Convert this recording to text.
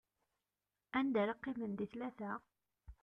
Anda ara qqimen di tlata?